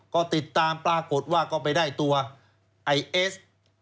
ก็ติดตามปรากฏว่าก็ไปได้ตัวไอเอส